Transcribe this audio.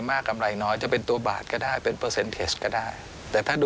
เปอร์เซ็นเทจจะดีที่สุด